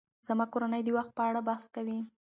زما کورنۍ د وخت په اړه بحث کوي.